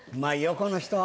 この人は。